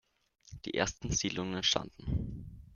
Die ersten Siedlungen entstanden.